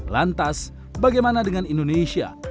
lantas bagaimana dengan indonesia